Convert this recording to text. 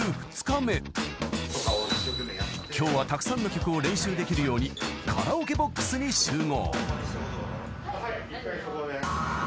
［今日はたくさんの曲を練習できるようにカラオケボックスに集合］